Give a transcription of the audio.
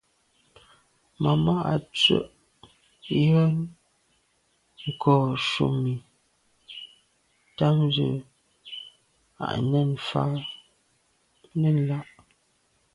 Màmá à’ tswə́ yə́n kɔ̌ shúnì támzə̄ à nɛ̌n lá’.